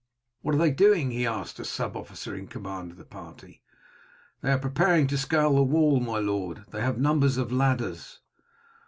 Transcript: "What are they doing?" he asked the sub officer in command of the party. "They are preparing to scale the wall, my lord; they have numbers of ladders."